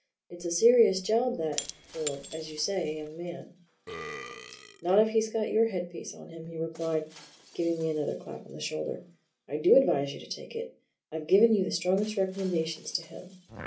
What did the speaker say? "It's a serious job that for, as you say, a young fellow." "Not if he's got your headpiece on him," he replied, giving me another clap on the shoulder. "I do advise you to take it. I've given you the strongest recommendations to him.